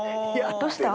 どうした？